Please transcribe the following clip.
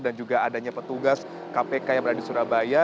dan juga adanya petugas kpk yang berada di surabaya